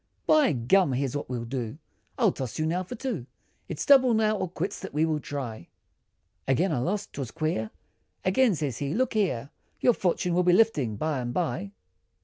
"By gum! here's what I'll do, I'll toss you now for two, It's double now, or quits, that we will try," Again I lost; 'twas queer, Again, said he, "look here, Your fortune, will be lifting by and by."